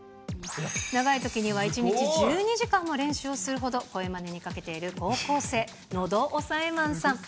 長いときには１日１２時間も練習するほど、声まねにかけている高校生、喉押さえマンさん。